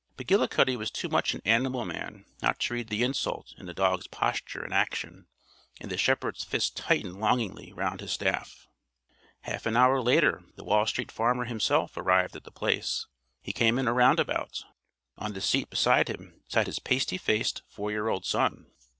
McGillicuddy was too much an animal man not to read the insult in the dog's posture and action, and the shepherd's fist tightened longingly round his staff. Half an hour later the Wall Street Farmer himself arrived at The Place. He came in a runabout. On the seat beside him sat his pasty faced, four year old son.